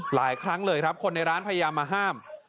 หลายครั้งเลยครับคนในร้านพยายามมาห้าม